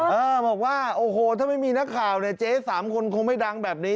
เออบอกว่าโอ้โหถ้าไม่มีนักข่าวเนี่ยเจ๊สามคนคงไม่ดังแบบนี้